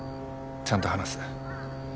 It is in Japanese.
ちゃんと話す。